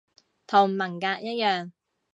同文革一樣